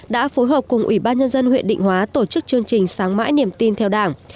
đã phối hợp cùng ủy ban nhân dân huyện định hóa tổ chức chương trình sáng mãi niềm tin theo đảng